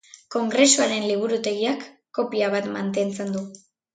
Kongresuaren Liburutegiak kopia bat mantentzen du.